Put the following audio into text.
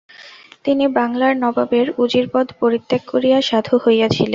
তিনি বাঙলার নবাবের উজীর পদ পরিত্যাগ করিয়া সাধু হইয়াছিলেন।